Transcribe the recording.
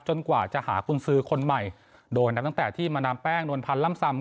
กว่าจะหากุญสือคนใหม่โดยนับตั้งแต่ที่มาดามแป้งนวลพันธ์ล่ำซำ